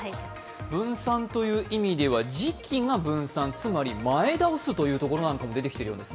分散という意味では時期が分散、つまに前倒すというところなんかも出てきているようです。